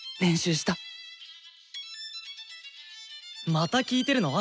また聴いてるの？